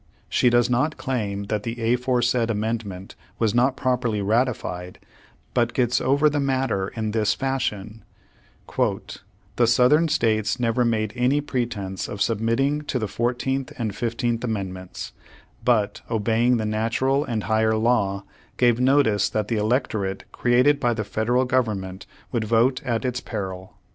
She does not claim that the aforesaid amendment was not properly ratified, but gets over the matter in this fashion : "The Southern States never made any pretense of sub mitting to the Fourteenth and Fifteenth Amendments, but, obeying the natural and higher law, gave notice that the electorate created by the Federal Government w^ould vote at its peril."